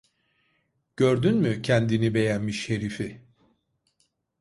Gördün mü kendini beğenmiş herifi?